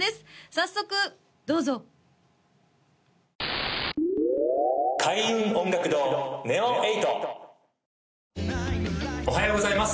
早速どうぞおはようございます